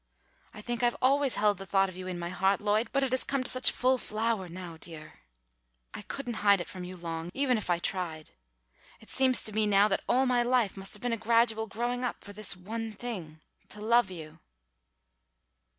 I think I've always held the thought of you in my heart, Lloyd, but it has come to such full flower now, dear, I couldn't hide it from you long, even if I tried. It seems to me now that all of my life must have been a gradual growing up for this one thing to love you!"